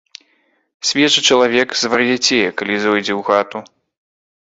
Свежы чалавек звар'яцее, калі зойдзе ў хату.